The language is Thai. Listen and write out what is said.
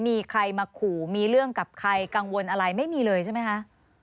มีใครมาขู่มีเรื่องกับใครกังวลอะไรไม่มีเลยใช่ไหมคะ